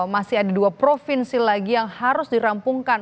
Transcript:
maka kemudian harus kita segera ambil keputusan